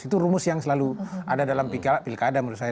itu rumus yang selalu ada dalam pikiran pilkada menurut saya